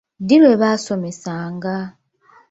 Ddi lwe baasomesanga?